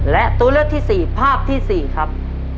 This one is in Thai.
และตัวเลือกที่๔ภาพที่๔ครับ